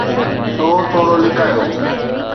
سو ٿورو لڪايو.